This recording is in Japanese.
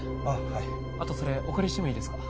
はいあとそれお借りしてもいいですか？